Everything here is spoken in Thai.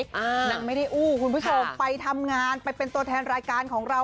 นางไม่ได้อู้คุณผู้ชมไปทำงานไปเป็นตัวแทนรายการของเรา